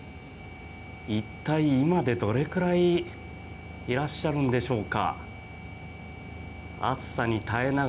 一体、今でどれくらいいらっしゃるんでしょうか。